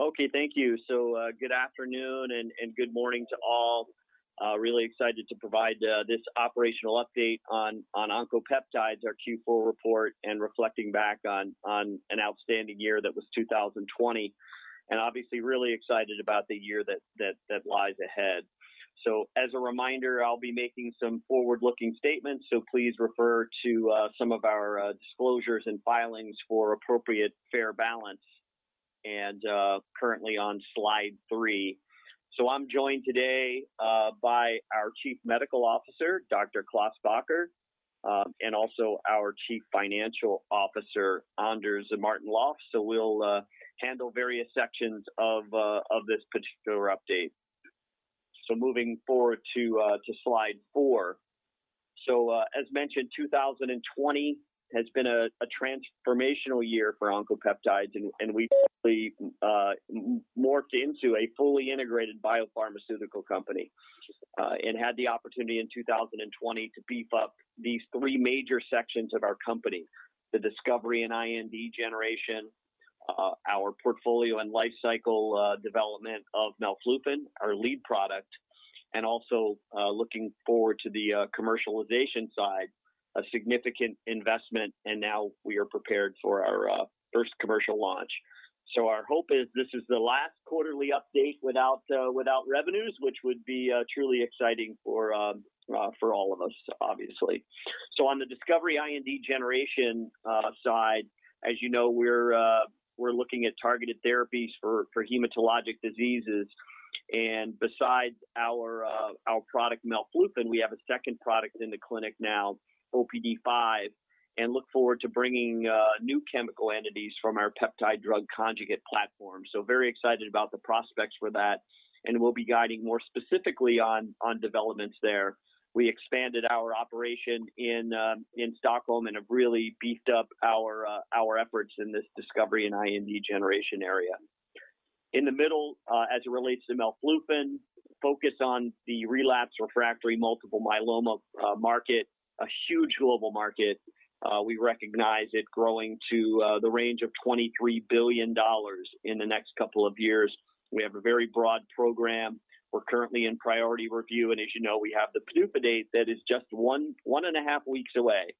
Okay, thank you. Good afternoon and good morning to all. Really excited to provide this operational update on Oncopeptides, our Q4 report, and reflecting back on an outstanding year that was 2020, and obviously really excited about the year that lies ahead. As a reminder, I'll be making some forward-looking statements, please refer to some of our disclosures and filings for appropriate fair balance and currently on slide three. I'm joined today by our Chief Medical Officer, Dr. Klaas Bakker, and also our Chief Financial Officer, Anders Martin-Löf. We'll handle various sections of this particular update. Moving forward to slide four. As mentioned, 2020 has been a transformational year for Oncopeptides, and we've morphed into a fully integrated biopharmaceutical company, and had the opportunity in 2020 to beef up these three major sections of our company, the discovery and IND generation, our portfolio and life cycle development of melflufen, our lead product, and also looking forward to the commercialization side, a significant investment, and now we are prepared for our first commercial launch. Our hope is this is the last quarterly update without revenues, which would be truly exciting for all of us, obviously. On the discovery IND generation side, as you know, we're looking at targeted therapies for hematologic diseases. Besides our product, melflufen, we have a second product in the clinic now, OPD5, and look forward to bringing new chemical entities from our peptide drug conjugate platform. Very excited about the prospects for that, and we'll be guiding more specifically on developments there. We expanded our operation in Stockholm and have really beefed up our efforts in this discovery and IND generation area. In the middle, as it relates to melflufen, focus on the relapsed refractory multiple myeloma market, a huge global market. We recognize it growing to the range of $23 billion in the next couple of years. We have a very broad program. We're currently in priority review, and as you know, we have the PDUFA date that is just one and a half weeks away.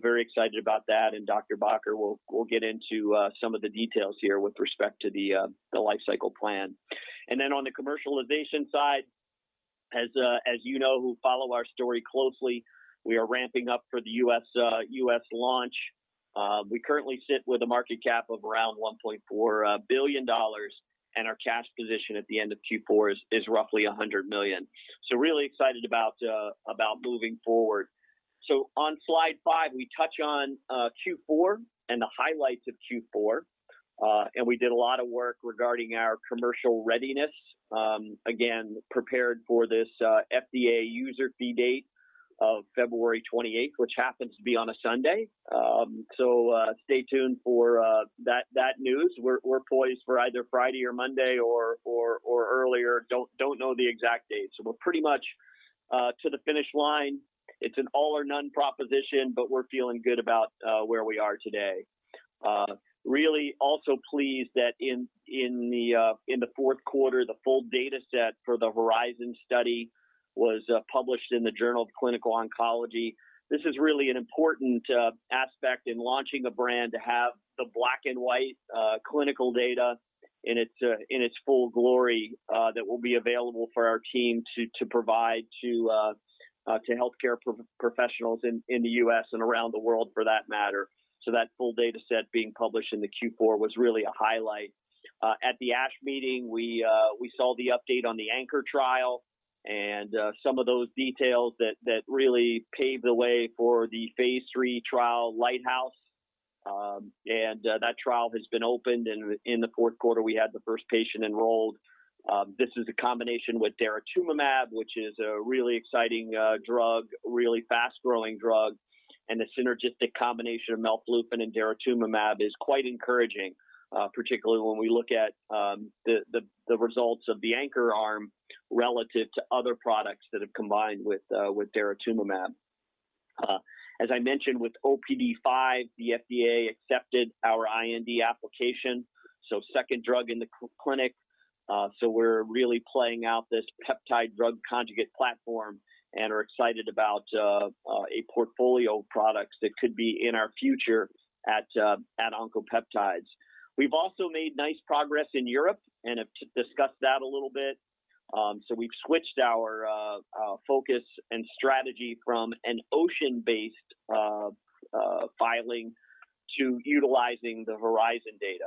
Very excited about that, and Dr. Bakker will get into some of the details here with respect to the life cycle plan. On the commercialization side, as you know, who follow our story closely, we are ramping up for the U.S. launch. We currently sit with a market cap of around $1.4 billion, and our cash position at the end of Q4 is roughly $100 million. Really excited about moving forward. On slide five, we touch on Q4 and the highlights of Q4. We did a lot of work regarding our commercial readiness. Again, prepared for this FDA user fee date of February 28th, which happens to be on a Sunday. Stay tuned for that news. We're poised for either Friday or Monday or earlier, don't know the exact date. We're pretty much to the finish line. It's an all or none proposition, but we're feeling good about where we are today. Really also pleased that in the fourth quarter, the full data set for the HORIZON study was published in the Journal of Clinical Oncology. This is really an important aspect in launching a brand to have the black and white clinical data in its full glory that will be available for our team to provide to healthcare professionals in the U.S. and around the world for that matter. That full data set being published in the Q4 was really a highlight. At the ASH meeting, we saw the update on the ANCHOR trial and some of those details that really paved the way for the phase III trial, LIGHTHOUSE. That trial has been opened, and in the fourth quarter, we had the first patient enrolled. This is a combination with daratumumab, which is a really exciting drug, really fast-growing drug, and the synergistic combination of melflufen and daratumumab is quite encouraging, particularly when we look at the results of the ANCHOR arm relative to other products that have combined with daratumumab. As I mentioned with OPD5, the FDA accepted our IND application, so second drug in the clinic. We're really playing out this peptide drug conjugate platform and are excited about a portfolio of products that could be in our future at Oncopeptides. We've also made nice progress in Europe and have discussed that a little bit. We've switched our focus and strategy from an OCEAN-based filing to utilizing the HORIZON data.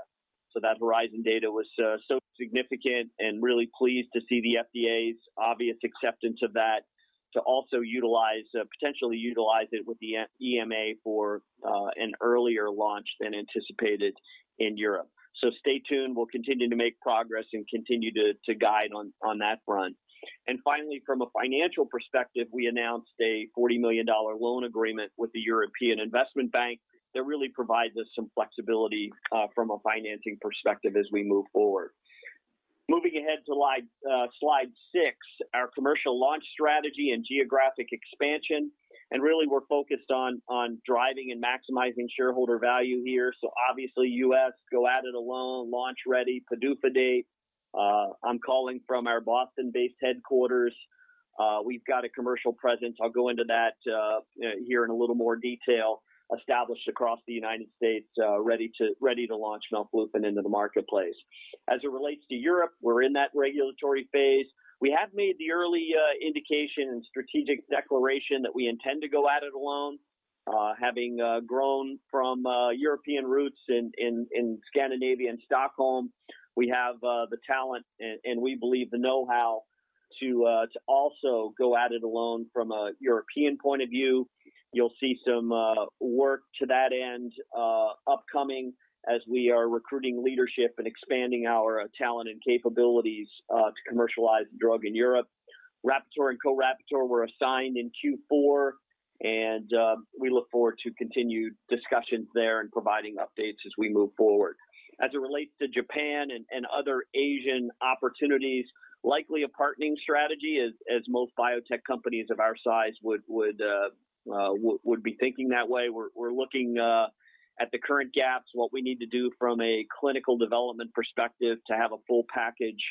That HORIZON data was so significant and really pleased to see the FDA's obvious acceptance of that, to also potentially utilize it with the EMA for an earlier launch than anticipated in Europe. Stay tuned. We'll continue to make progress and continue to guide on that front. Finally, from a financial perspective, we announced a $40 million loan agreement with the European Investment Bank that really provides us some flexibility from a financing perspective as we move forward. Moving ahead to slide six, our commercial launch strategy and geographic expansion, and really we're focused on driving and maximizing shareholder value here. Obviously, U.S., go at it alone, launch ready, PDUFA date. I'm calling from our Boston-based headquarters. We've got a commercial presence, I'll go into that here in a little more detail, established across the United States, ready to launch melflufen into the marketplace. As it relates to Europe, we're in that regulatory phase. We have made the early indication and strategic declaration that we intend to go at it alone, having grown from European roots in Scandinavia and Stockholm, we have the talent and we believe the know-how to also go at it alone from a European point of view. You'll see some work to that end upcoming as we are recruiting leadership and expanding our talent and capabilities to commercialize the drug in Europe. Rapporteur and Co-Rapporteur were assigned in Q4, and we look forward to continued discussions there and providing updates as we move forward. As it relates to Japan and other Asian opportunities, likely a partnering strategy as most biotech companies of our size would be thinking that way. We're looking at the current gaps, what we need to do from a clinical development perspective to have a full package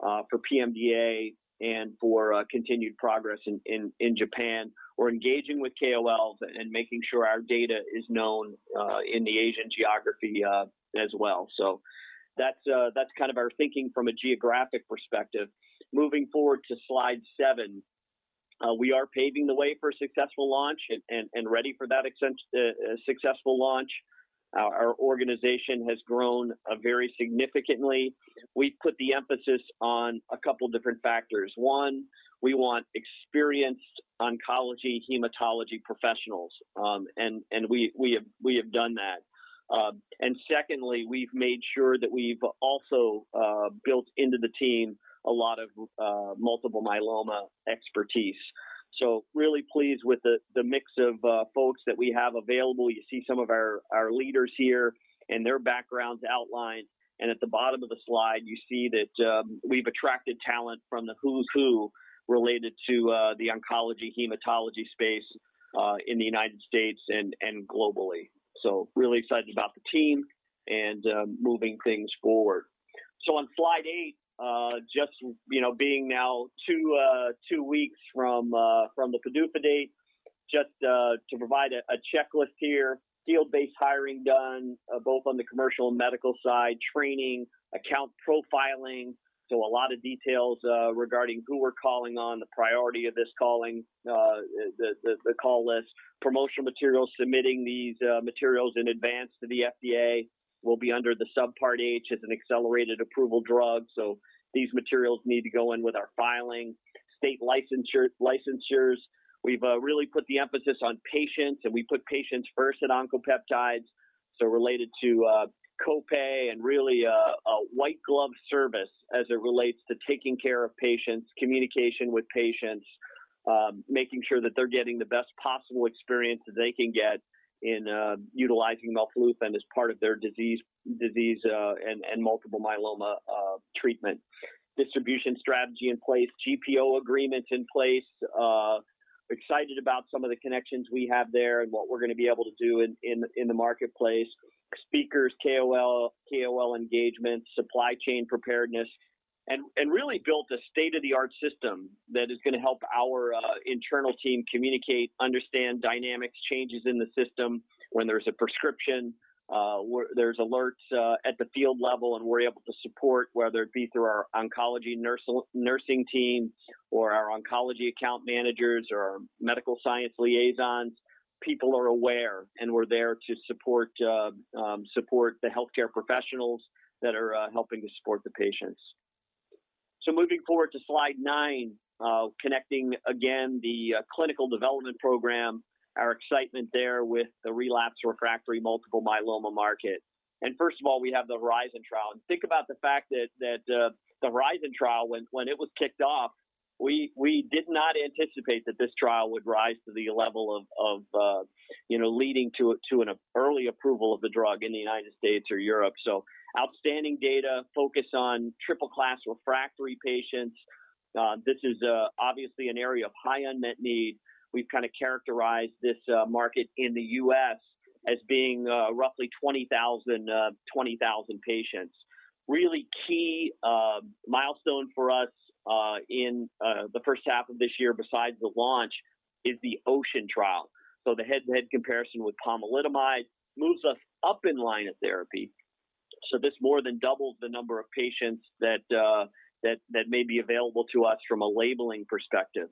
for PMDA and for continued progress in Japan. We're engaging with KOLs and making sure our data is known in the Asian geography as well. That's our thinking from a geographic perspective. Moving forward to slide seven. We are paving the way for a successful launch and ready for that successful launch. Our organization has grown very significantly. We've put the emphasis on a couple different factors. One, we want experienced oncology hematology professionals, and we have done that. Secondly, we've made sure that we've also built into the team a lot of multiple myeloma expertise. Really pleased with the mix of folks that we have available. You see some of our leaders here and their backgrounds outlined, and at the bottom of the slide, you see that we've attracted talent from the who's who related to the oncology hematology space in the U.S. and globally. Really excited about the team and moving things forward. On slide eight, just being now two weeks from the PDUFA date, just to provide a checklist here. Field-based hiring done, both on the commercial and medical side, training, account profiling, so a lot of details regarding who we're calling on, the priority of this calling, the call list. Promotional materials, submitting these materials in advance to the FDA will be under the Subpart H as an accelerated approval drug, so these materials need to go in with our filing. State licensures. We've really put the emphasis on patients, and we put patients first at Oncopeptides, so related to co-pay and really a white glove service as it relates to taking care of patients, communication with patients, making sure that they're getting the best possible experience that they can get in utilizing melflufen as part of their disease and multiple myeloma treatment. Distribution strategy in place, GPO agreements in place. Excited about some of the connections we have there and what we're going to be able to do in the marketplace. Speakers, KOL engagement, supply chain preparedness, and really built a state-of-the-art system that is going to help our internal team communicate, understand dynamics, changes in the system. When there's a prescription, there's alerts at the field level, and we're able to support, whether it be through our oncology nursing team or our oncology account managers or our medical science liaisons. People are aware, and we're there to support the healthcare professionals that are helping to support the patients. Moving forward to slide nine, connecting again the clinical development program, our excitement there with the relapsed refractory multiple myeloma market. First of all, we have the HORIZON trial, and think about the fact that the HORIZON trial, when it was kicked off, we did not anticipate that this trial would rise to the level of leading to an early approval of the drug in the U.S. or Europe. Outstanding data, focus on triple class refractory patients. This is obviously an area of high unmet need. We've characterized this market in the U.S. as being roughly 20,000 patients. Really key milestone for us in the first half of this year besides the launch is the OCEAN trial. The head-to-head comparison with pomalidomide moves us up in line of therapy, so this more than doubles the number of patients that may be available to us from a labeling perspective.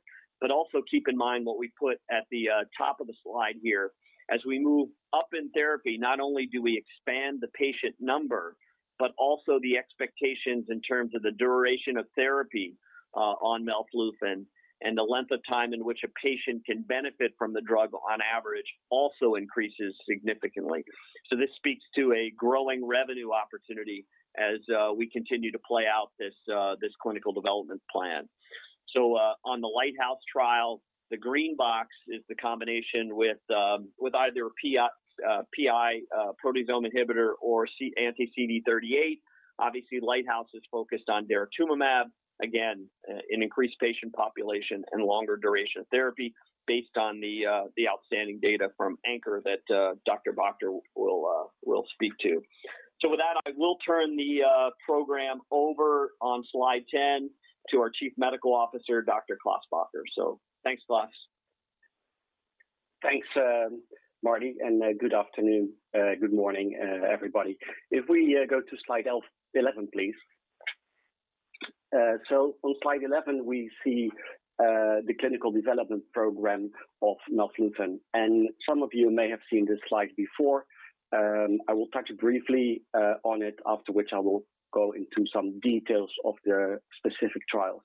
Also keep in mind what we put at the top of the slide here. As we move up in therapy, not only do we expand the patient number, but also the expectations in terms of the duration of therapy on melflufen and the length of time in which a patient can benefit from the drug on average also increases significantly. This speaks to a growing revenue opportunity as we continue to play out this clinical development plan. On the LIGHTHOUSE trial, the green box is the combination with either PI, proteasome inhibitor, or anti-CD38. Obviously, LIGHTHOUSE is focused on daratumumab, again, an increased patient population and longer duration of therapy based on the outstanding data from ANCHOR that Dr. Bakker will speak to. With that, I will turn the program over on slide 10 to our Chief Medical Officer, Dr. Klaas Bakker. Thanks, Klaas. Thanks, Marty, and good afternoon. Good morning, everybody. If we go to slide 11, please. On slide 11, we see the clinical development program of melflufen. Some of you may have seen this slide before. I will touch briefly on it, after which I will go into some details of the specific trials.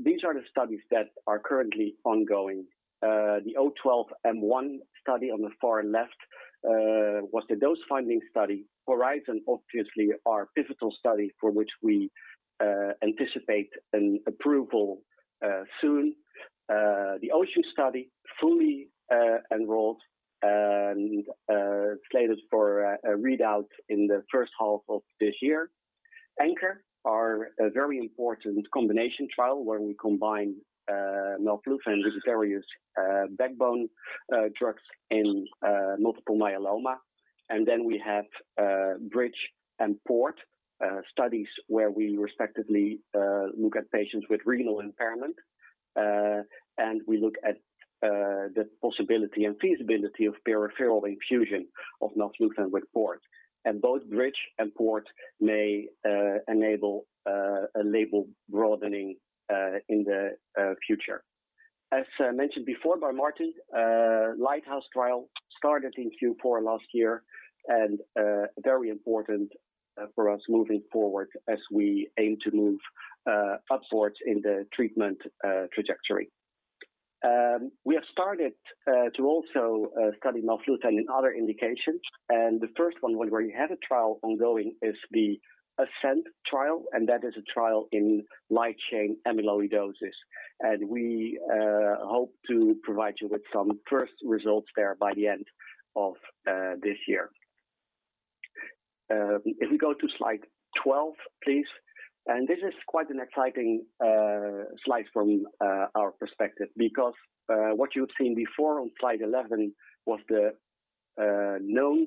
These are the studies that are currently ongoing. The O12-M1 study on the far left was the dose-finding study. HORIZON, obviously, our pivotal study for which we anticipate an approval soon. The OCEAN study, fully enrolled and slated for a readout in the first half of this year. ANCHOR, our very important combination trial where we combine melflufen with various backbone drugs in multiple myeloma. We have BRIDGE and PORT studies where we respectively look at patients with renal impairment, and we look at the possibility and feasibility of peripheral infusion of melflufen with PORT. Both BRIDGE and PORT may enable a label broadening in the future. As mentioned before by Marty, LIGHTHOUSE trial started in Q4 last year, and very important for us moving forward as we aim to move upwards in the treatment trajectory. We have started to also study melflufen in other indications, and the first one where we have a trial ongoing is the ASCENT trial, and that is a trial in light chain amyloidosis. We hope to provide you with some first results there by the end of this year. If we go to slide 12, please. This is quite an exciting slide from our perspective because what you've seen before on slide 11 was the known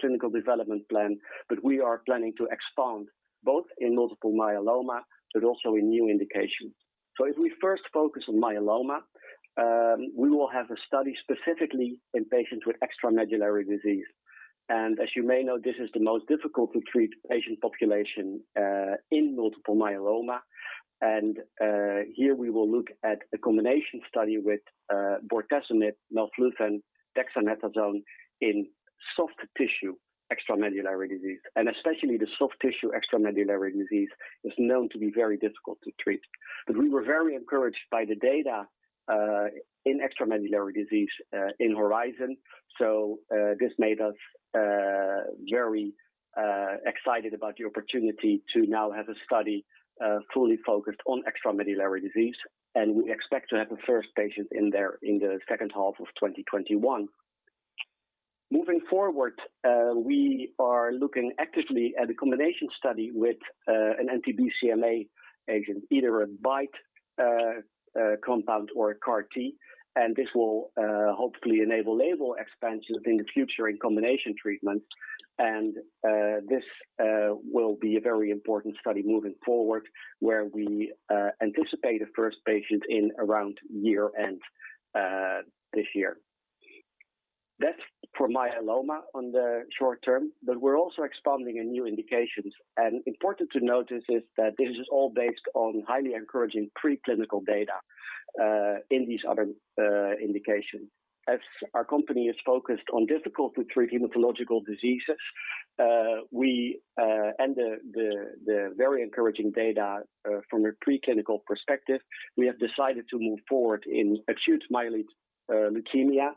clinical development plan. We are planning to expand both in multiple myeloma but also in new indications. If we first focus on myeloma, we will have a study specifically in patients with extramedullary disease. As you may know, this is the most difficult to treat patient population in multiple myeloma. Here we will look at a combination study with bortezomib, melflufen, dexamethasone in soft tissue extramedullary disease, and especially the soft tissue extramedullary disease is known to be very difficult to treat. We were very encouraged by the data in extramedullary disease in HORIZON. This made us very excited about the opportunity to now have a study fully focused on extramedullary disease, and we expect to have the first patient in there in the second half of 2021. Moving forward, we are looking actively at a combination study with an anti-BCMA agent, either a BiTE compound or a CAR T, and this will hopefully enable label expansions in the future in combination treatments. This will be a very important study moving forward where we anticipate a first patient in around year-end this year. That's for myeloma on the short term, but we're also expanding in new indications. Important to notice is that this is all based on highly encouraging preclinical data in these other indications. Our company is focused on difficult to treat hematological diseases, and the very encouraging data from a preclinical perspective, we have decided to move forward in acute myeloid leukemia,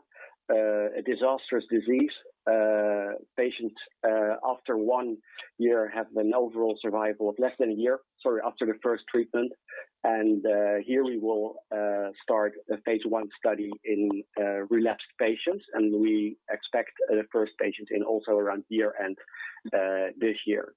a disastrous disease. Patients after one year have an overall survival of less than a year, sorry, after the first treatment. Here we will start a phase I study in relapsed patients, and we expect the first patients in also around year-end this year.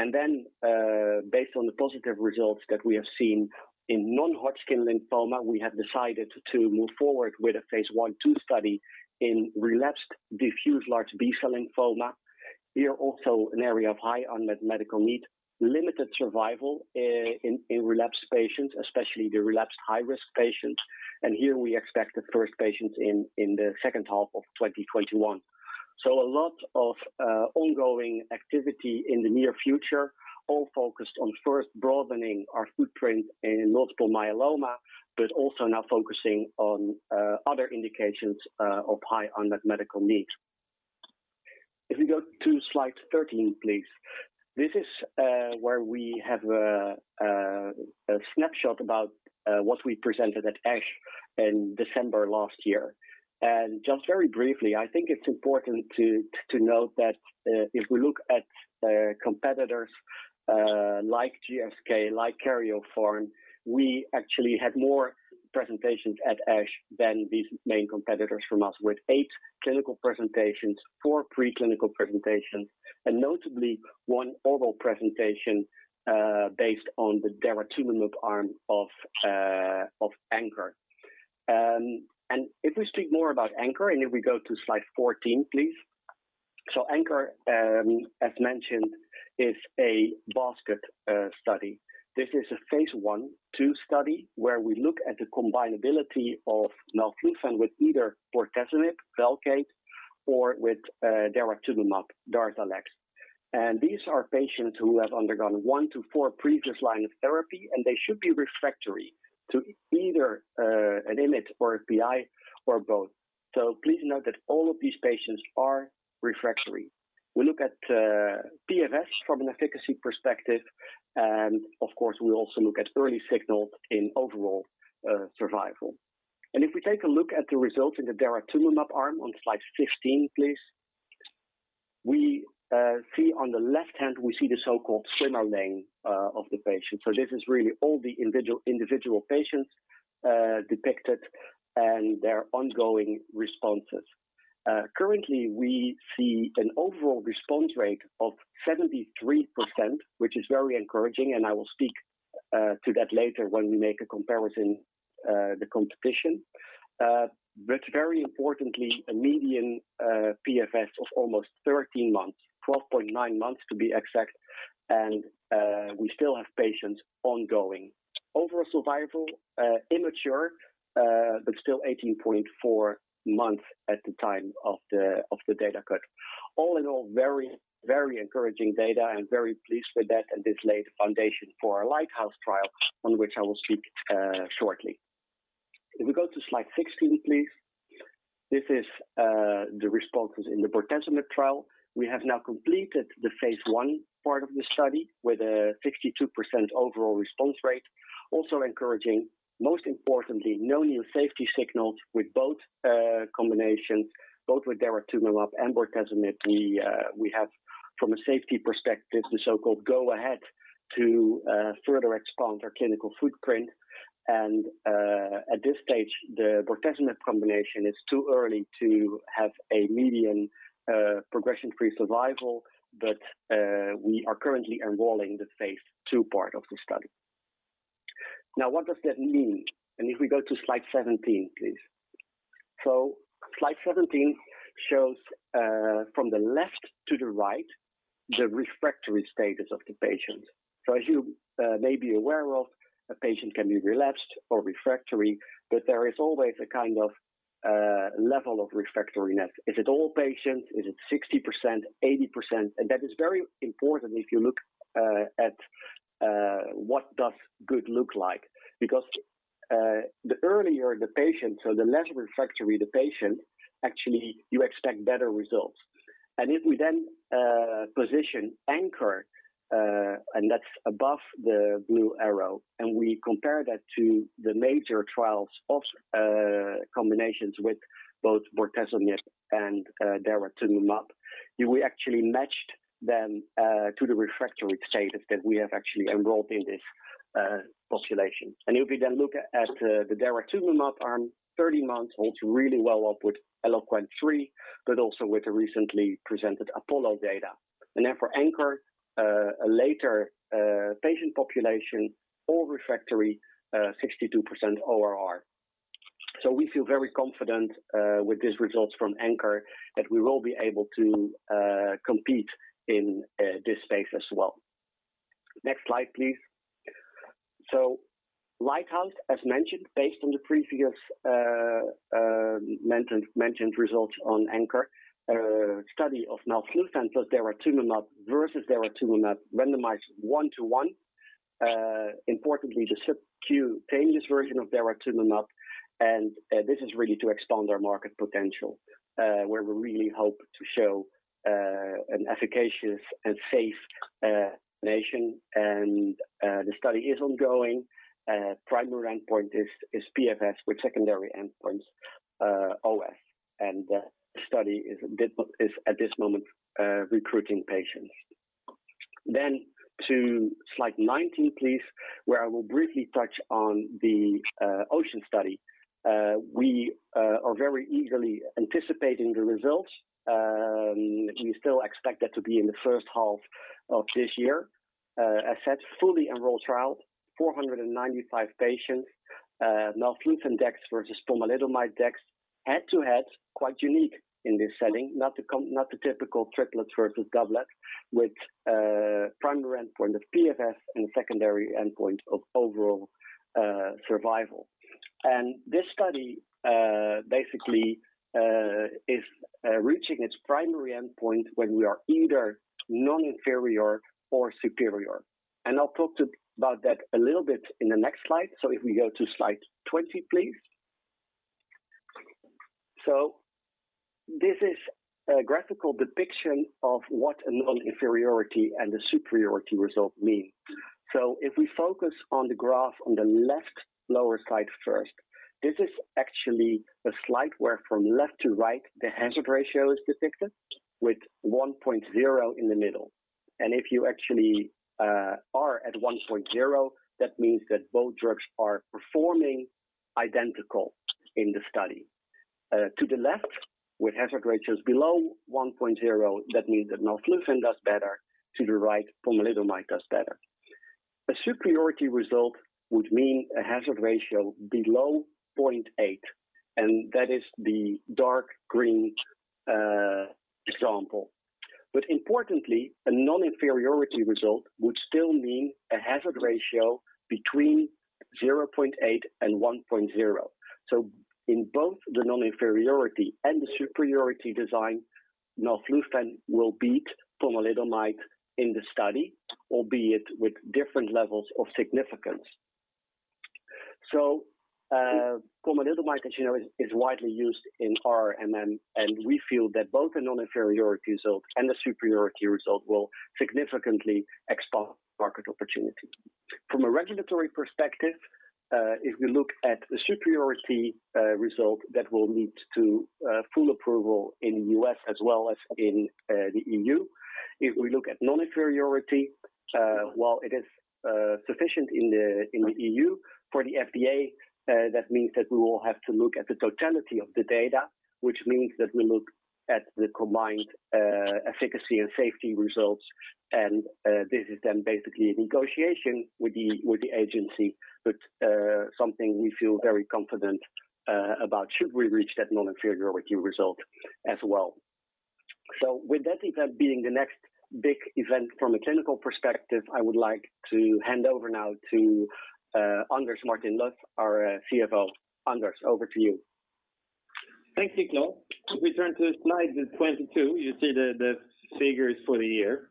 Based on the positive results that we have seen in non-Hodgkin lymphoma, we have decided to move forward with a phase I/II study in relapsed diffuse large B-cell lymphoma. Here also an area of high unmet medical need, limited survival in relapsed patients, especially the relapsed high-risk patients. Here we expect the first patients in the second half of 2021. A lot of ongoing activity in the near future, all focused on first broadening our footprint in multiple myeloma, but also now focusing on other indications of high unmet medical need. If we go to slide 13, please. This is where we have a snapshot about what we presented at ASH in December last year. Just very briefly, I think it is important to note that if we look at competitors like GSK, like Karyopharm, we actually had more presentations at ASH than these main competitors from us, with eight clinical presentations, four pre-clinical presentations, and notably one oral presentation based on the daratumumab arm of ANCHOR. If we speak more about ANCHOR, if we go to slide 14, please. ANCHOR, as mentioned, is a basket study. This is a phase I, II study where we look at the combinability of melflufen with either bortezomib, VELCADE, or with daratumumab, DARZALEX. These are patients who have undergone one to four previous lines of therapy, and they should be refractory to either an IMiD or a PI, or both. Please note that all of these patients are refractory. We look at PFS from an efficacy perspective, and of course, we also look at early signal in overall survival. If we take a look at the results in the daratumumab arm on slide 15, please, on the left-hand, we see the so-called swimmer lane of the patient. This is really all the individual patients depicted and their ongoing responses. Currently, we see an overall response rate of 73%, which is very encouraging, and I will speak to that later when we make a comparison, the competition. Very importantly, a median PFS of almost 13 months, 12.9 months to be exact, and we still have patients ongoing. Overall survival, immature, but still 18.4 months at the time of the data cut. All in all, very encouraging data, and very pleased with that, and this laid the foundation for our LIGHTHOUSE trial, on which I will speak shortly. If we go to slide 16, please. This is the responses in the bortezomib trial. We have now completed the phase I part of the study with a 62% overall response rate. Also encouraging, most importantly, no new safety signals with both combinations, both with daratumumab and bortezomib. We have, from a safety perspective, the so-called go-ahead to further expand our clinical footprint. At this stage, the bortezomib combination is too early to have a median progression-free survival, but we are currently enrolling the phase II part of the study. What does that mean? If we go to slide 17, please. Slide 17 shows, from the left to the right, the refractory status of the patient. As you may be aware of, a patient can be relapsed or refractory, but there is always a kind of level of refractoriness. Is it all patients? Is it 60%, 80%? That is very important if you look at what does good look like. The earlier the patient, so the less refractory the patient, actually, you expect better results. If we then position ANCHOR, and that's above the blue arrow, and we compare that to the major trials of combinations with both bortezomib and daratumumab, we actually matched them to the refractory status that we have actually enrolled in this population. If you then look at the daratumumab arm, 30 months holds really well up with ELOQUENT-3, but also with the recently presented APOLLO data. Then for ANCHOR, a later patient population, all refractory, 62% ORR. We feel very confident with these results from ANCHOR that we will be able to compete in this space as well. Next slide, please. LIGHTHOUSE, as mentioned, based on the previous mentioned results on ANCHOR, a study of melflufen plus daratumumab versus daratumumab randomized one-to-one. Importantly, the sub-q painless version of daratumumab. This is really to expand our market potential, where we really hope to show an efficacious and safe combination. The study is ongoing. Primary endpoint is PFS with secondary endpoints OS. The study is at this moment recruiting patients. To slide 19, please, where I will briefly touch on the OCEAN study. We are very eagerly anticipating the results. We still expect that to be in the first half of this year. A set fully enrolled trial, 495 patients, melflufen dex versus pomalidomide dex, head-to-head, quite unique in this setting. Not the typical triplets versus doublet with a primary endpoint of PFS and a secondary endpoint of overall survival. This study basically is reaching its primary endpoint when we are either non-inferior or superior. I'll talk about that a little bit in the next slide. If we go to slide 20, please. This is a graphical depiction of what a non-inferiority and a superiority result mean. If you actually are at 1.0, that means that both drugs are performing identical in the study. To the left, with hazard ratios below 1.0, that means that melflufen does better, to the right, pomalidomide does better. A superiority result would mean a hazard ratio below 0.8. That is the dark green example. Importantly, a non-inferiority result would still mean a hazard ratio between 0.8 and 1.0. In both the non-inferiority and the superiority design, melflufen will beat pomalidomide in the study, albeit with different levels of significance. Pomalidomide, as you know, is widely used in RM. We feel that both a non-inferiority result and a superiority result will significantly expand market opportunity. From a regulatory perspective, if we look at the superiority result, that will lead to full approval in the U.S. as well as in the E.U. If we look at non-inferiority, while it is sufficient in the E.U., for the FDA, that means that we will have to look at the totality of the data, which means that we look at the combined efficacy and safety results. This is then basically a negotiation with the agency, but something we feel very confident about should we reach that non-inferiority result as well. With that event being the next big event from a clinical perspective, I would like to hand over now to Anders Martin-Löf, our CFO. Anders, over to you. Thanks, Klaas. We turn to slide 22, you see the figures for the year.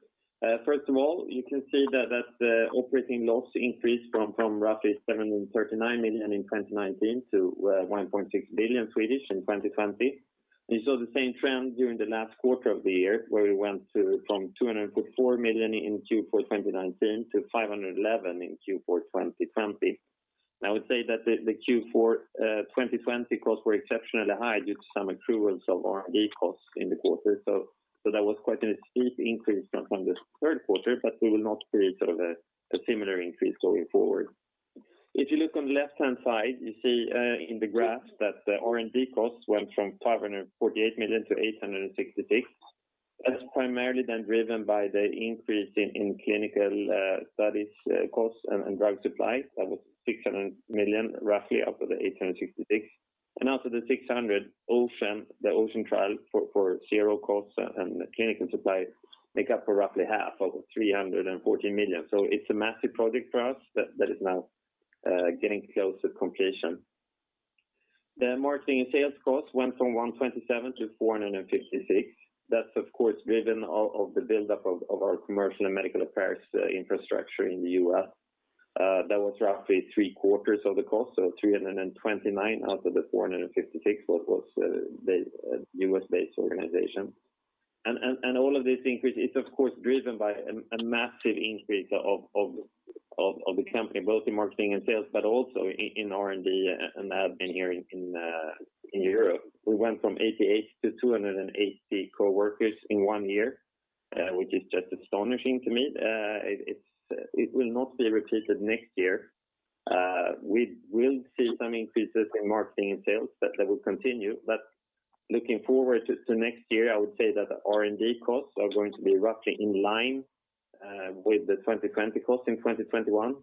First of all, you can see that the operating loss increased from roughly 739 million in 2019 to 1.6 billion in 2020. You saw the same trend during the last quarter of the year, where we went from 244 million in Q4 2019 to 511 million in Q4 2020. I would say that the Q4 2020 costs were exceptionally high due to some accruals of R&D costs in the quarter. That was quite a steep increase from the third quarter, we will not see sort of a similar increase going forward. You look on the left-hand side, you see in the graph that the R&D costs went from 548 million to 866 million. That's primarily driven by the increase in clinical studies costs and drug supply. That was 600 million, roughly, out of the 866 million. Out of the 600 million, the OCEAN trial for zero costs and clinical supply make up for roughly half of the 340 million. It's a massive project for us that is now getting close to completion. The marketing and sales cost went from 127 million-456 million. That's of course driven all of the buildup of our commercial and medical affairs infrastructure in the U.S. That was roughly three-quarters of the cost. 329 million out of the 456 million was the U.S.-based organization. All of this increase is of course driven by a massive increase of the company, both in marketing and sales, but also in R&D and admin here in Europe. We went from 88 to 280 coworkers in one year, which is just astonishing to me. It will not be repeated next year. We will see some increases in marketing and sales that will continue. Looking forward to next year, I would say that R&D costs are going to be roughly in line with the 2020 cost in 2021.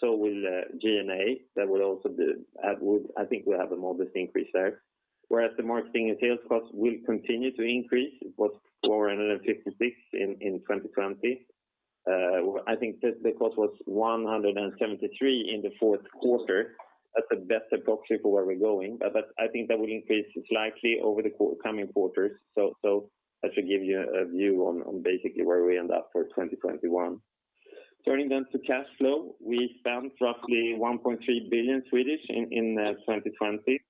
So will G&A. I think we'll have a modest increase there. Whereas the marketing and sales cost will continue to increase. It was 456 million in 2020. I think the cost was 173 million in the fourth quarter. That's a best approximate for where we're going. I think that will increase slightly over the coming quarters. That should give you a view on basically where we end up for 2021. Turning then to cash flow, we spent roughly 1.3 billion in 2020.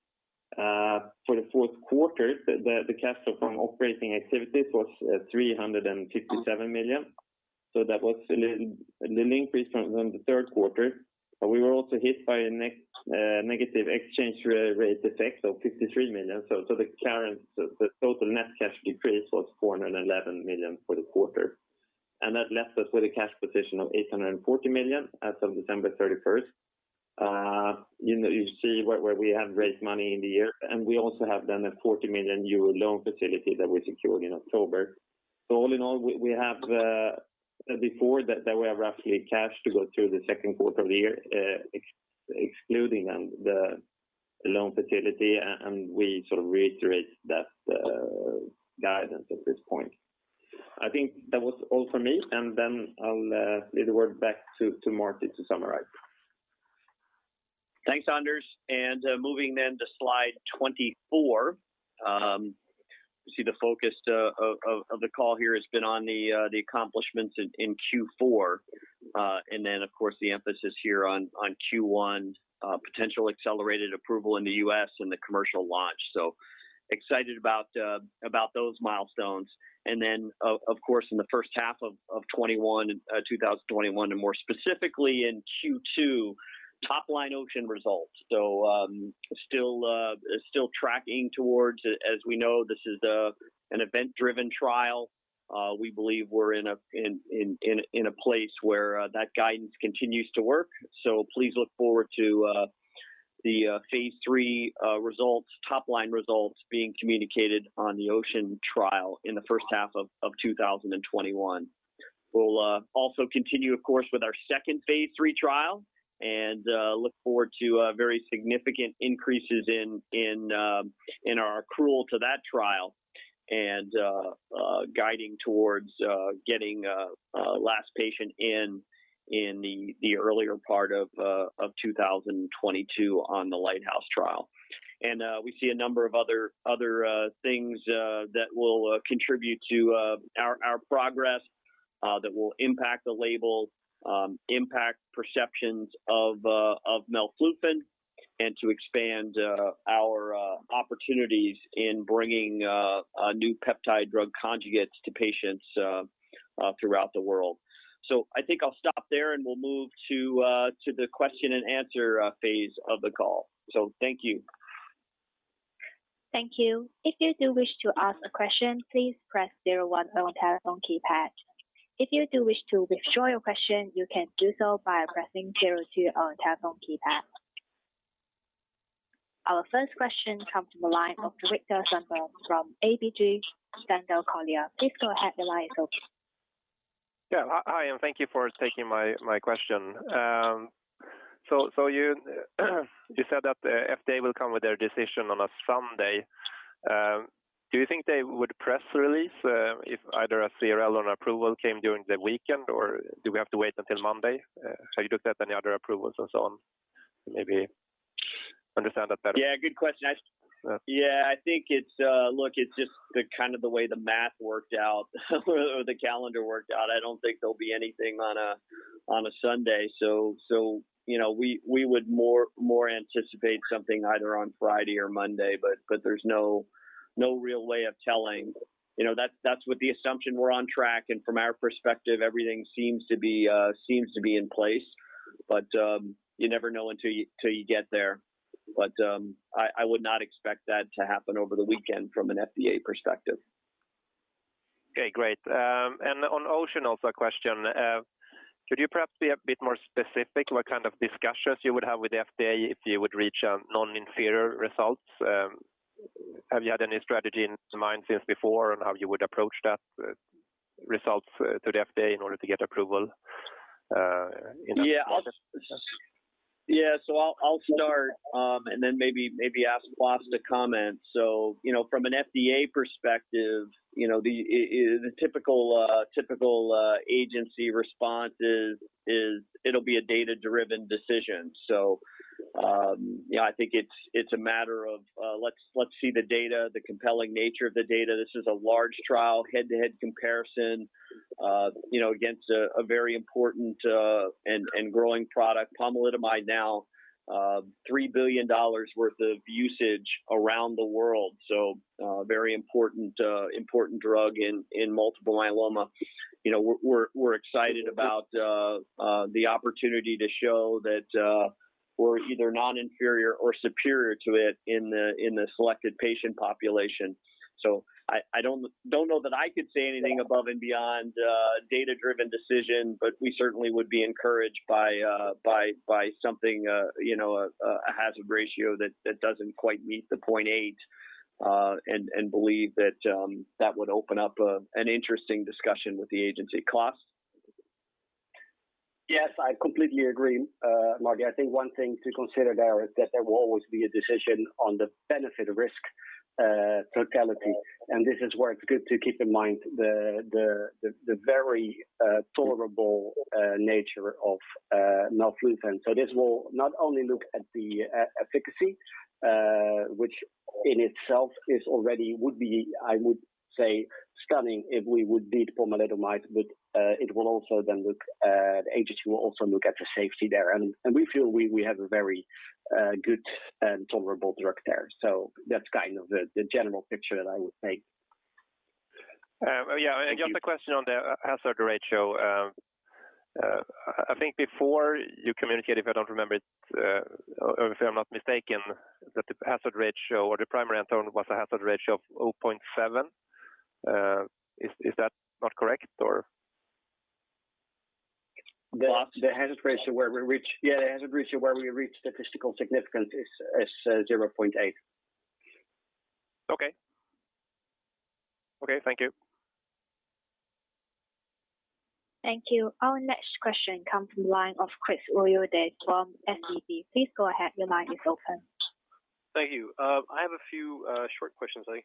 For the fourth quarter, the cash flow from operating activities was 357 million. That was an increase from the third quarter. We were also hit by a negative exchange rate effect of 53 million. The total net cash decrease was 411 million for the quarter. That left us with a cash position of 840 million as of December 31st. You see where we have raised money in the year, and we also have done a 40 million euro loan facility that we secured in October. All in all, before that, we have roughly cash to go through the second quarter of the year, excluding the loan facility, and we sort of reiterate that guidance at this point. I think that was all for me, and then I'll leave the word back to Marty to summarize. Thanks, Anders, moving then to slide 24. You see the focus of the call here has been on the accomplishments in Q4. The emphasis here on Q1 potential accelerated approval in the U.S. and the commercial launch. Excited about those milestones. In the first half of 2021, and more specifically in Q2, top line OCEAN results. Still tracking towards, as we know, this is an event-driven trial. We believe we're in a place where that guidance continues to work. Please look forward to the phase III results, top line results being communicated on the OCEAN trial in the first half of 2021. We'll also continue, of course, with our second phase III trial and look forward to very significant increases in our accrual to that trial and guiding towards getting last patient in the earlier part of 2022 on the LIGHTHOUSE trial. We see a number of other things that will contribute to our progress, that will impact the label, impact perceptions of melflufen, and to expand our opportunities in bringing new peptide drug conjugates to patients throughout the world. I think I'll stop there and we'll move to the question and answer phase of the call. Thank you. Thank you. If you do wish to ask a question, please press zero one on your telephone keypad. If you do wish to withdraw your question, you can do so by pressing zero two on your telephone keypad. Our first question comes from the line of Viktor Sundberg from ABG Sundal Collier. Please go ahead. The line is open. Hi, and thank you for taking my question. You said that FDA will come with their decision on a Sunday. Do you think they would press release if either a CRL or an approval came during the weekend, or do we have to wait until Monday? You look at any other approvals and so on, maybe understand that better. Good question. I think it's just the way the math worked out or the calendar worked out. I don't think there'll be anything on a Sunday. We would more anticipate something either on Friday or Monday, but there's no real way of telling. That's with the assumption we're on track, and from our perspective, everything seems to be in place. You never know until you get there. I would not expect that to happen over the weekend from an FDA perspective. Okay, great. On OCEAN, also a question. Could you perhaps be a bit more specific what kind of discussions you would have with FDA if you would reach non-inferior results? Have you had any strategy in mind since before on how you would approach that result to the FDA in order to get approval? Yeah. I'll start, and then maybe ask Klaas to comment. From an FDA perspective, the typical agency response is it'll be a data-driven decision. I think it's a matter of let's see the data, the compelling nature of the data. This is a large trial, head-to-head comparison against a very important and growing product, pomalidomide, now $3 billion worth of usage around the world. A very important drug in multiple myeloma. We're excited about the opportunity to show that we're either non-inferior or superior to it in the selected patient population. I don't know that I could say anything above and beyond data-driven decision, but we certainly would be encouraged by something, a hazard ratio that doesn't quite meet the 0.8, and believe that would open up an interesting discussion with the agency. Klaas? Yes, I completely agree, Marty. I think one thing to consider there is that there will always be a decision on the benefit risk totality. This is where it's good to keep in mind the very tolerable nature of melflufen. This will not only look at the efficacy, which in itself is already would be, I would say, stunning if we would beat pomalidomide, but the agency will also look at the safety there. We feel we have a very good and tolerable drug there. That's kind of the general picture that I would take. Yeah. Just a question on the hazard ratio. I think before you communicate, if I don't remember it, or if I'm not mistaken, that the hazard ratio or the primary endpoint was a hazard ratio of 0.7. Is that not correct? Klaas? The hazard ratio where we reach statistical significance is 0.8. Okay. Thank you. Thank you. Our next question comes from the line of Chris Uhde from SEB. Please go ahead. Your line is open. Thank you. I have a few short questions, I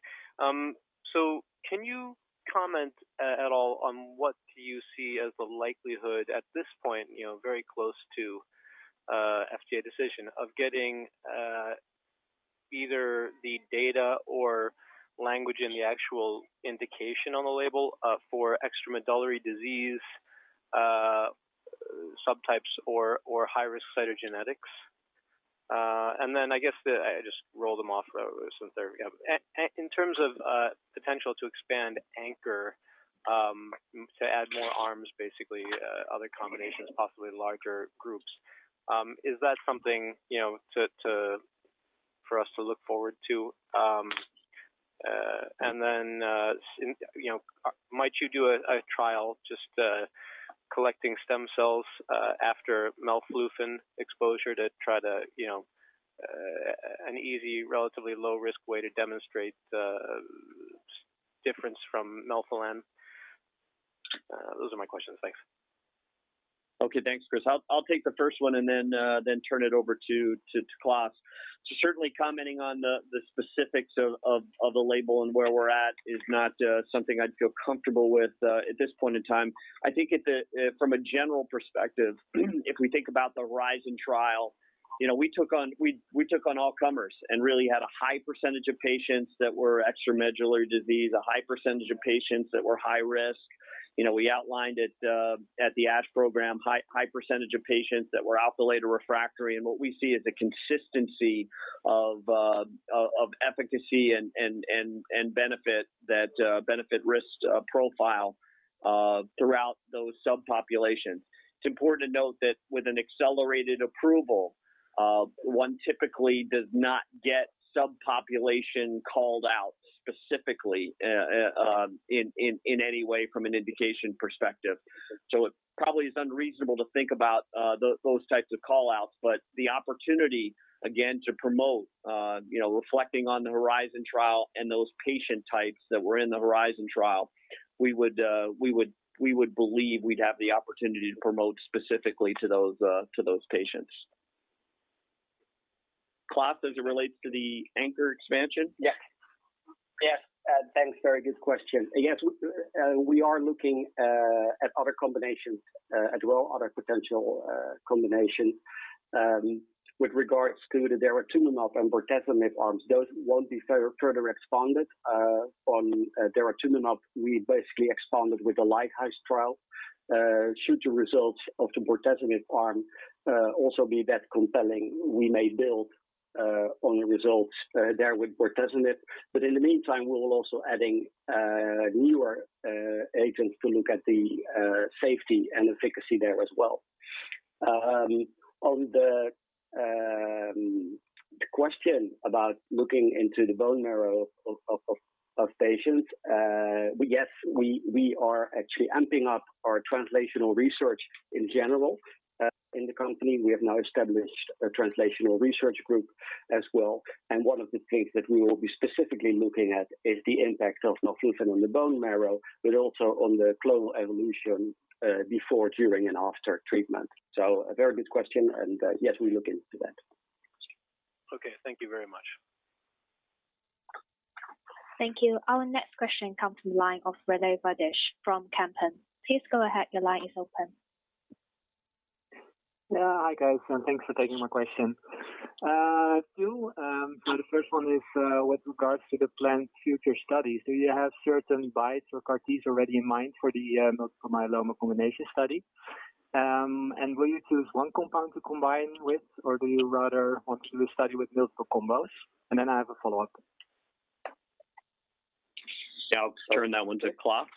think. Comment at all on what do you see as the likelihood at this point, very close to FDA decision, of getting either the data or language in the actual indication on the label for extramedullary disease subtypes or high-risk cytogenetics? I guess I just roll them off since they're in terms of potential to expand ANCHOR to add more arms, basically, other combinations, possibly larger groups, is that something for us to look forward to? Might you do a trial just collecting stem cells after melflufen exposure to try an easy, relatively low-risk way to demonstrate difference from melphalan? Those are my questions. Thanks. Okay. Thanks, Chris. I'll take the first one and then turn it over to Klaas. Certainly commenting on the specifics of the label and where we're at is not something I'd feel comfortable with at this point in time. I think from a general perspective, if we think about the HORIZON trial, we took on all comers and really had a high percentage of patients that were extramedullary disease, a high percentage of patients that were high risk. We outlined it at the ASH program, high percentage of patients that were penta-drug refractory, and what we see is a consistency of efficacy and benefit, that benefit risks profile throughout those subpopulations. It's important to note that with an accelerated approval, one typically does not get subpopulation called out specifically in any way from an indication perspective. It probably is unreasonable to think about those types of call-outs, but the opportunity, again, to promote, reflecting on the Horizon trial and those patient types that were in the Horizon trial, we would believe we'd have the opportunity to promote specifically to those patients. Klaas, as it relates to the ANCHOR expansion? Thanks. Very good question. We are looking at other combinations as well, other potential combinations. With regards to the daratumumab and bortezomib arms, those won't be further expanded. On daratumumab, we basically expanded with the LIGHTHOUSE trial. Should the results of the bortezomib arm also be that compelling, we may build on the results there with bortezomib. In the meantime, we're also adding newer agents to look at the safety and efficacy there as well. On the question about looking into the bone marrow of patients, we are actually amping up our translational research in general in the company. We have now established a translational research group as well. One of the things that we will be specifically looking at is the impact of melflufen on the bone marrow, but also on the clonal evolution before, during, and after treatment. A very good question, and yes, we look into that. Okay. Thank you very much. Thank you. Our next question comes from the line of René Wouters from Kempen. Please go ahead. Your line is open. Yeah. Hi, guys. Thanks for taking my question. Two. The first one is with regards to the planned future studies. Do you have certain BiTEs or CAR T already in mind for the multiple myeloma combination study? Will you choose one compound to combine with or do you rather want to do a study with multiple combos? I have a follow-up. Yeah. I'll turn that one to Klaas.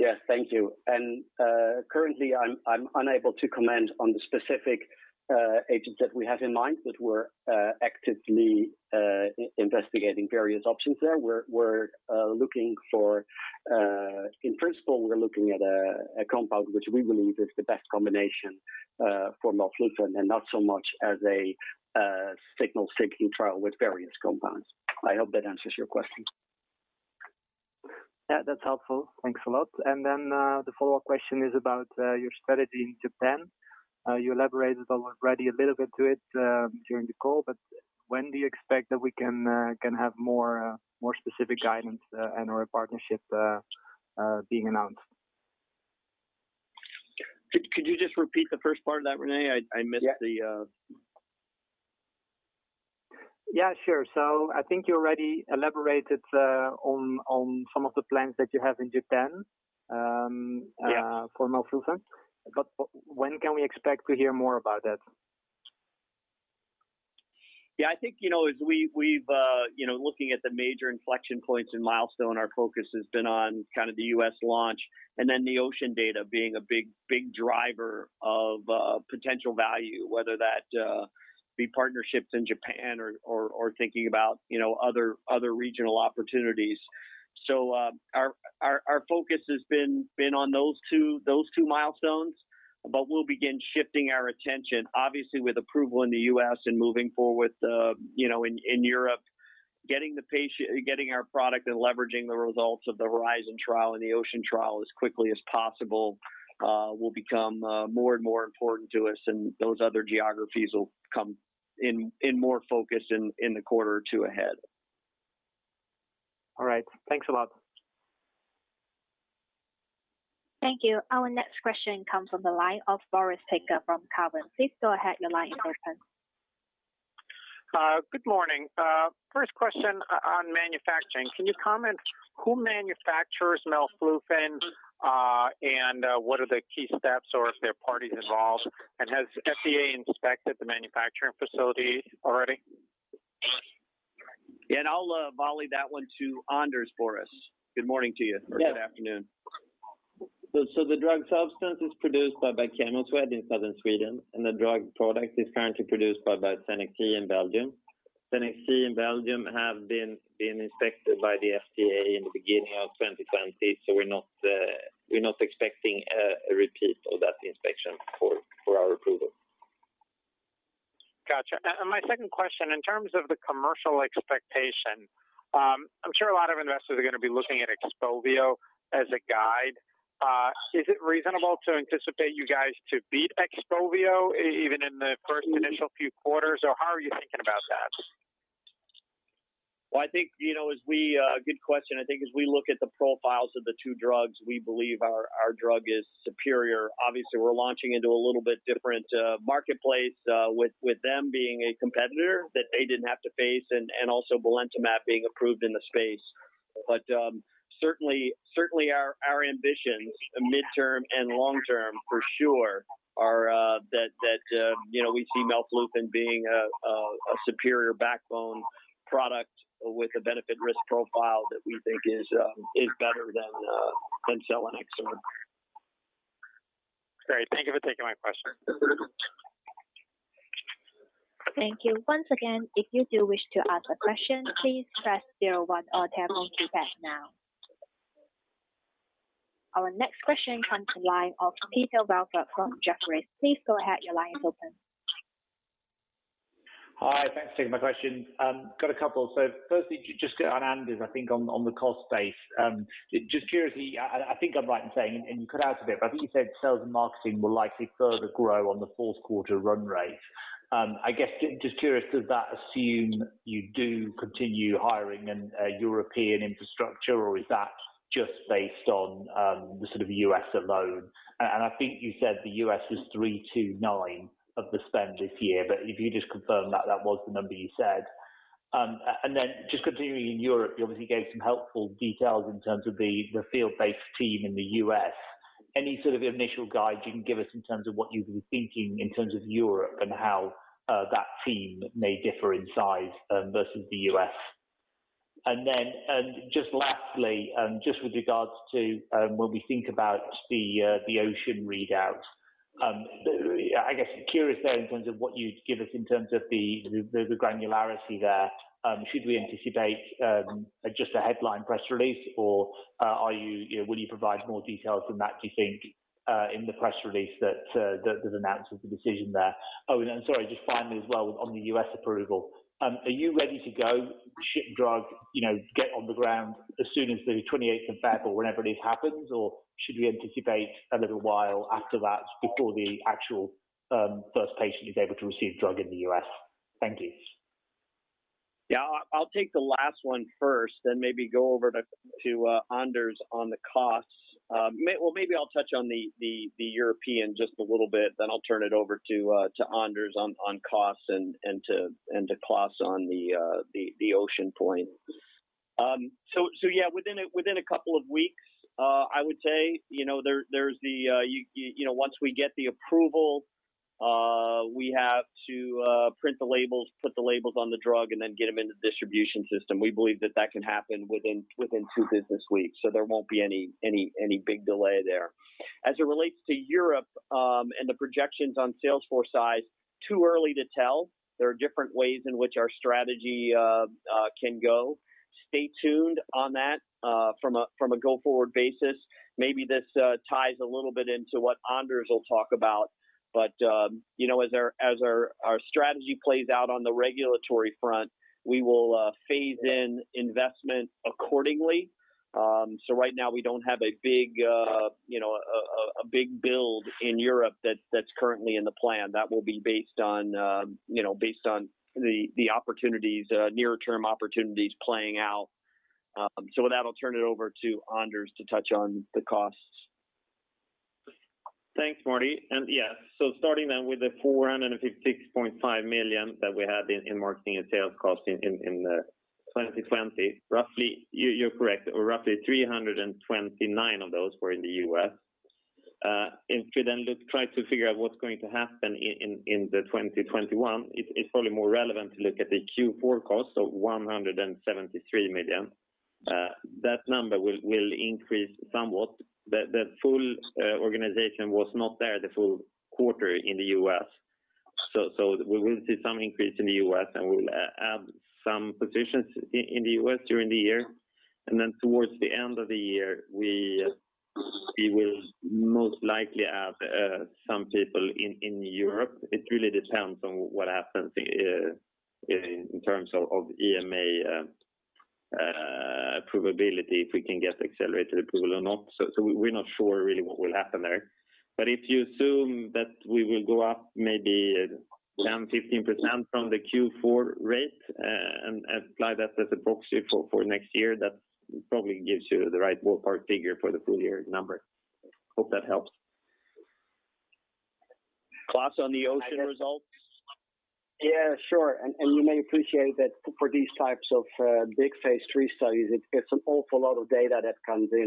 Yes. Thank you. Currently, I'm unable to comment on the specific agents that we have in mind, but we're actively investigating various options there. In principle, we're looking at a compound which we believe is the best combination for melflufen and not so much as a signal-seeking trial with various compounds. I hope that answers your question. Yeah, that's helpful. Thanks a lot. The follow-up question is about your strategy in Japan. You elaborated already a little bit to it during the call, but when do you expect that we can have more specific guidance and/or a partnership being announced? Could you just repeat the first part of that, René? I missed the. Yeah, sure. I think you already elaborated on some of the plans that you have in Japan for melflufen. When can we expect to hear more about that? Yeah, I think, looking at the major inflection points in milestone, our focus has been on kind of the U.S. launch and then the OCEAN data being a big driver of potential value, whether that be partnerships in Japan or thinking about other regional opportunities. Our focus has been on those two milestones, but we'll begin shifting our attention, obviously, with approval in the U.S. and moving forward in Europe, getting our product and leveraging the results of the HORIZON trial and the OCEAN trial as quickly as possible will become more and more important to us, and those other geographies will come in more focus in the quarter or two ahead. All right. Thanks a lot. Thank you. Our next question comes from the line of Boris Peaker from Cowen. Please go ahead. Your line is open. Good morning. First question on manufacturing. Can you comment who manufactures melflufen, what are the key steps, or if there are parties involved? Has FDA inspected the manufacturing facility already? Yeah, I'll volley that one to Anders for us. Good morning to you. Yes. Good afternoon. The drug substance is produced by Chemoswed in southern Sweden, and the drug product is currently produced by Cenexi in Belgium. Cenexi in Belgium have been inspected by the FDA in the beginning of 2020. We're not expecting a repeat of that inspection for our approval. Got you. My second question, in terms of the commercial expectation, I'm sure a lot of investors are going to be looking at Xpovio as a guide. Is it reasonable to anticipate you guys to beat Xpovio, even in the first initial few quarters? How are you thinking about that? Well, good question. I think as we look at the profiles of the two drugs, we believe our drug is superior. Obviously, we're launching into a little bit different marketplace, with them being a competitor that they didn't have to face, and also Blenrep being approved in the space. Certainly our ambitions, midterm and long-term for sure, are that we see melflufen being a superior backbone product with a benefit-risk profile that we think is better than selinexor. Great. Thank you for taking my question. Thank you. Once again, if you do wish to ask a question, please press zero one on your telephone keypad now. Our next question comes from the line of Peter Welford from Jefferies. Please go ahead. Your line is open. Hi, thanks for taking my question. Got a couple. Firstly, just on Anders, I think on the cost base. Just curiously, I think I'm right in saying, and you cut out a bit, but I think you said sales and marketing will likely further grow on the fourth quarter run rate. I guess, just curious, does that assume you do continue hiring a European infrastructure, or is that just based on the U.S. alone? I think you said the U.S. is 329 million of the spend this year, but if you just confirm that that was the number you said. Just continuing in Europe, you obviously gave some helpful details in terms of the field-based team in the U.S. Any sort of initial guide you can give us in terms of what you've been thinking in terms of Europe and how that team may differ in size versus the U.S.? Then just lastly, just with regards to when we think about the OCEAN readout. I guess curious there in terms of what you'd give us in terms of the granularity there. Should we anticipate just a headline press release? Will you provide more details than that, do you think, in the press release that announces the decision there? Then sorry, just finally as well on the U.S. approval. Are you ready to go ship drug, get on the ground as soon as the 28th of February or whenever this happens? Should we anticipate a little while after that before the actual first patient is able to receive drug in the U.S.? Thank you. Yeah, I'll take the last one first, then maybe go over to Anders on the costs. Well, maybe I'll touch on the European just a little bit, then I'll turn it over to Anders on costs and to Klaas on the OCEAN point. Yeah, within a couple of weeks, I would say. Once we get the approval, we have to print the labels, put the labels on the drug, and then get them into the distribution system. We believe that that can happen within two business weeks. There won't be any big delay there. It relates to Europe and the projections on sales force size, too early to tell. There are different ways in which our strategy can go. Stay tuned on that from a go-forward basis. Maybe this ties a little bit into what Anders will talk about. As our strategy plays out on the regulatory front, we will phase in investment accordingly. Right now, we don't have a big build in Europe that's currently in the plan. That will be based on the near-term opportunities playing out. With that, I'll turn it over to Anders to touch on the costs. Thanks, Marty. Starting then with the 456.5 million that we had in marketing and sales cost in 2020. You're correct, roughly 329 million of those were in the U.S. To then try to figure out what's going to happen in 2021, it's probably more relevant to look at the Q4 cost of 173 million. That number will increase somewhat. The full organization was not there the full quarter in the U.S. We will see some increase in the U.S., and we'll add some positions in the U.S. during the year. Towards the end of the year, we will most likely add some people in Europe. It really depends on what happens in terms of EMA approvability, if we can get accelerated approval or not. We're not sure really what will happen there. If you assume that we will go up maybe 10%, 15% from the Q4 rate and apply that as a proxy for next year, that probably gives you the right ballpark figure for the full-year number. Hope that helps. Klaas, on the OCEAN results? Yeah, sure. You may appreciate that for these types of big phase III studies, it's an awful lot of data that comes in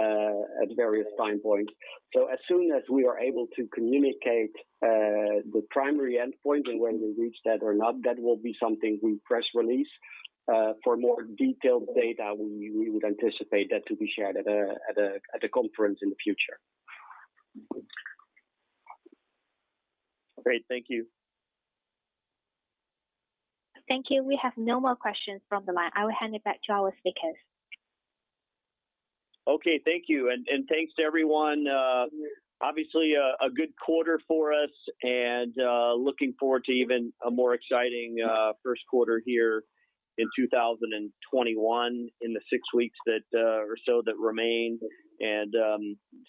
at various time points. As soon as we are able to communicate the primary endpoint and when we reach that or not, that will be something we press release. For more detailed data, we would anticipate that to be shared at a conference in the future. Great. Thank you. Thank you. We have no more questions from the line. I will hand it back to our speakers. Okay. Thank you. Thanks to everyone. Obviously, a good quarter for us and looking forward to even a more exciting first quarter here in 2021 in the six weeks or so that remain.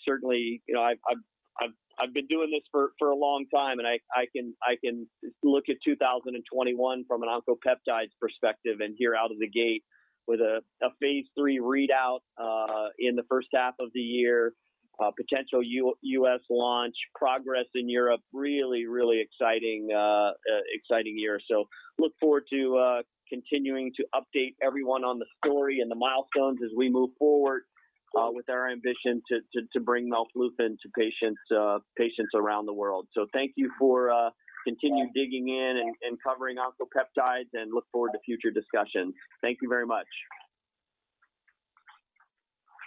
Certainly, I've been doing this for a long time, and I can look at 2021 from an Oncopeptides perspective and hear out of the gate with a phase III readout in the first half of the year, a potential U.S. launch, progress in Europe. Really, really exciting year. Look forward to continuing to update everyone on the story and the milestones as we move forward with our ambition to bring melflufen to patients around the world. Thank you for continuing digging in and covering Oncopeptides, and look forward to future discussions. Thank you very much.